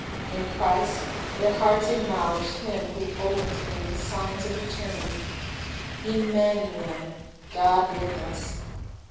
In Christ their hearts acknowledged Him who had opened to them the science of eternity, — "Immanuel, God with us."